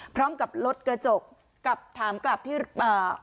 พร้อมกับรถกระจกกลับถามกลับที่อ่า